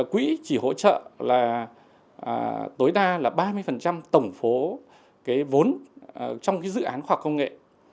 quỹ chỉ hỗ trợ là tối đa là ba mươi tổng số cái vốn trong dự án khoa học công nghệ